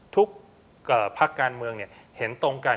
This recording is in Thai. ทุกภัครเมืองเห็นตรงกัน